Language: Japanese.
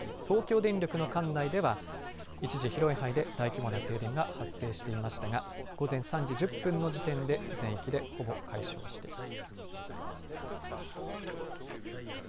東京電力の管内では一時広い範囲で大規模な停電が発生していましたが午前３時１０分の時点で全域で、ほぼ解消しています。